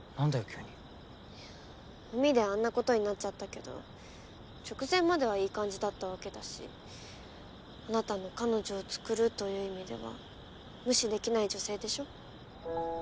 急に海ではあんなことになっちゃったけど直前まではいい感じだったわけだしあなたの彼女を作るという意味では無視できない女性でしょ？